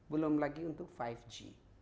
belum lagi untuk lima g